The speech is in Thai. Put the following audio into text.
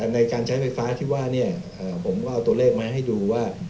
ในการใช้ไฟฟ้าที่ว่าผมก็เอาตัวเลขมาให้ดูว่า